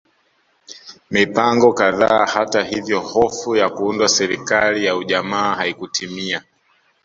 Mipango kadhaa hata hivyo hofu ya kuundwa serikali ya ujamaa haikutimia